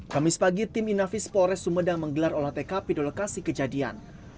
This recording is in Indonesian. kamis pagi tim inavis polres sumedang menggelar olah tkp dolekasi kejadian